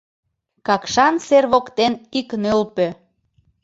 Какшан сер воктен ик нӧлпӧ